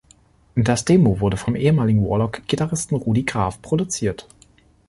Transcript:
Das Demo wurde vom ehemaligen Warlock-Gitarristen Rudy Graf produziert.